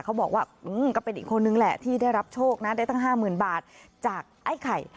เขาบอกว่าก็เป็นอีกคนนึงแหละที่ได้รับโชคนะได้ตั้ง๕๐๐๐บาทจากไอ้ไข่